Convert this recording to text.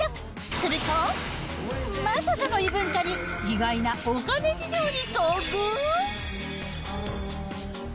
すると、まさかの異文化に、意外なお金事情に遭遇。